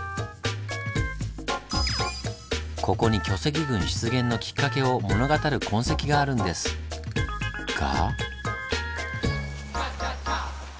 ここに巨石群出現のきっかけを物語る痕跡があるんですが。